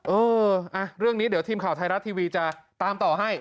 เออเรื่องนี้เดี๋ยวทีมข่าวไทยรัฐทีวีจะตามต่อให้